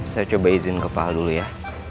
saya coba izin kepah dulu ya